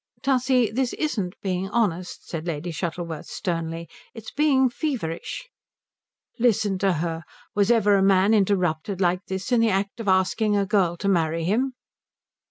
"Tussie, this isn't being honest," said Lady Shuttleworth sternly, "it's being feverish." "Listen to her! Was ever a man interrupted like this in the act of asking a girl to marry him?"